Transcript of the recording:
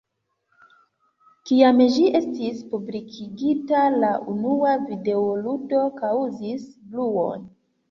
Kiam ĝi estis publikigita, la unua videoludo kaŭzis bruon.